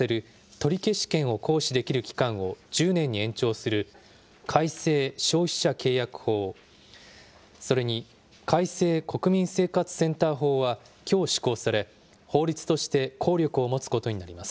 取消権を行使できる期間を１０年に延長する改正消費者契約法、それに改正国民生活センター法はきょう施行され、法律として効力を持つことになります。